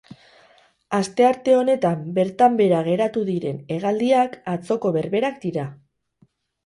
Astearte honetan bertan behera geratu diren hegaldiak atzoko berberak dira.